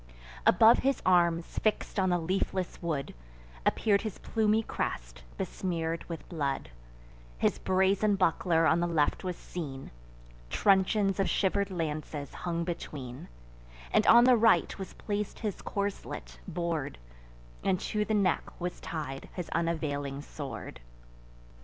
Above his arms, fix'd on the leafless wood, Appear'd his plumy crest, besmear'd with blood: His brazen buckler on the left was seen; Truncheons of shiver'd lances hung between; And on the right was placed his corslet, bor'd; And to the neck was tied his unavailing sword.